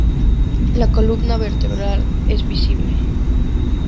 La columna vertebral es visible.